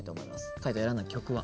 海人選んだ曲は？